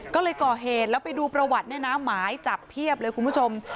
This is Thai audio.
ก็เลยก่อเหตุแล้วไปดูประวัติเนี่ยนะหมายจับเพียบเลยคุณผู้ชม